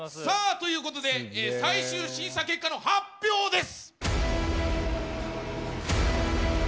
さあということで最終審査結果の発表です！